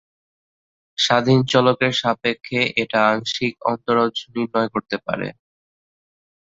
স্বাধীন চলকের সাপেক্ষে এটা আংশিক অন্তরজ নির্ণয় করতে পারে।